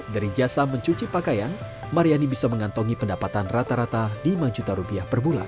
dari jasa mencuci pakaian mariani bisa mengantongi pendapatan rata rata lima juta rupiah per bulan